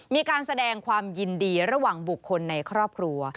มีการแสดงความยินดีระหว่างบุคคลในครอบครัว